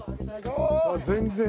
全然。